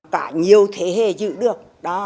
cả nhiều thế hệ giữ được